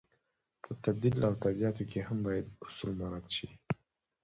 په تبدیل او تادیاتو کې هم باید اصول مراعت شي.